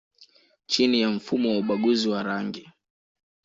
chini ya mfumo wa ubaguzi wa rangi